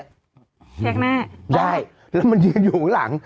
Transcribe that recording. แยกหน้าอ๋อใช่แล้วมันยืนอยู่ข้างหลัง